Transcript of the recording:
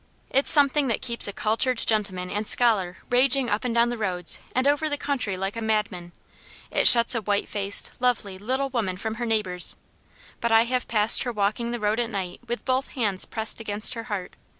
It's something that keeps a cultured gentleman and scholar raging up and down the roads and over the country like a madman. It shuts a white faced, lovely, little woman from her neighbours, but I have passed her walking the road at night with both hands pressed against her heart.